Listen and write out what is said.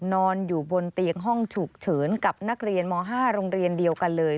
นอนอยู่บนเตียงห้องฉุกเฉินกับนักเรียนม๕โรงเรียนเดียวกันเลย